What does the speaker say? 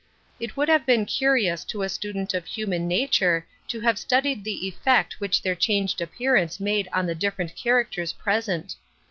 It would have been curious to a student of hu man nature to have studied the effect which their changed appearance made on the different characters present.